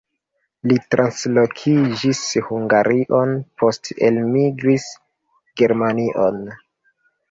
Li translokiĝis Hungarion, poste elmigris Germanion.